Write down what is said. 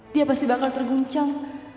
dia pasti bakal terguncang